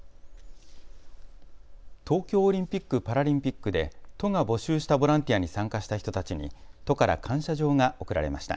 東京オリンピック・パラリンピックで都が募集したボランティアに参加した人たちに都から感謝状が贈られました。